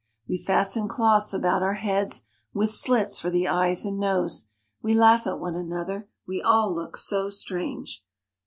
We fasten cloths about our heads, with slits for the eyes and nose. We laugh at one another, we all look so strange.